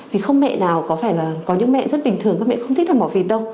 vì không mẹ nào có những mẹ rất bình thường các mẹ không thích đặt mỏ phịt đâu